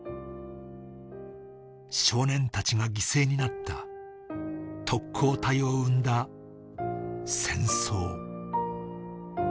少年たちが犠牲になった、特攻隊を生んだ戦争。